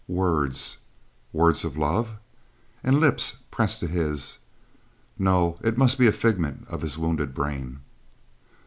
Words? Words of love? And lips pressed to his? No, it must be but a figment of his wounded brain.